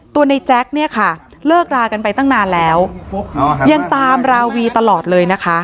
ในแจ๊คเนี่ยค่ะเลิกรากันไปตั้งนานแล้วยังตามราวีตลอดเลยนะคะ